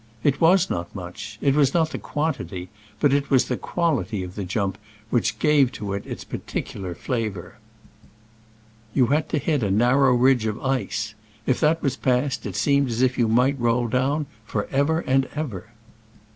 It was not much : it was not the quantity, but it was the quality of the jump which gave to it its particular flavor. You had to hit a narrow ridge of ice. If that was passed, it seemed as if you might roll down for ever and ever.